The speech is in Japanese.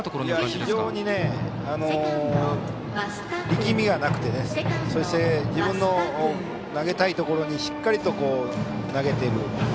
非常に力みがなくてそして、自分の投げたいところにしっかり投げている。